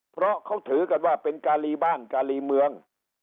เพราะเขาถือกันว่าเป็นการีบ้านการีเมือง